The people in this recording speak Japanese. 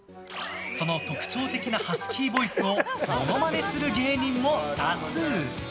その特徴的なハスキーボイスをモノマネする芸人も多数。